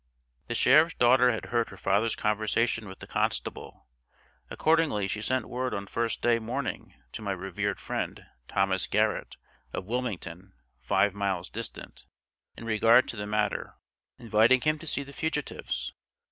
The sheriff's daughter had heard her father's conversation with the constable, accordingly she sent word on First day morning, to my revered friend, Thomas Garrett, of Wilmington, five miles distant, in regard to the matter, inviting him to see the fugitives.